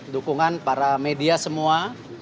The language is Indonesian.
dukungan para media semua